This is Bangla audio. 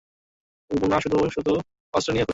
গুনা, তুই শুধু অস্ত্র নিয়ে ঘুরিস।